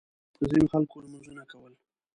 ځینو خلکو لمونځونه کول.